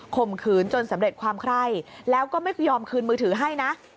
ข่มขืนจนสำเร็จความไคร้แล้วก็ไม่ยอมคืนมือถือให้นะ